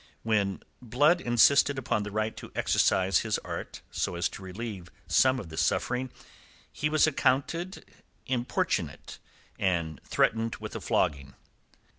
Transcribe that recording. When Blood insisted upon his right to exercise his art so as to relieve some of this suffering, he was accounted importunate and threatened with a flogging.